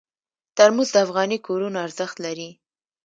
ترموز د افغاني کورونو ارزښت لري.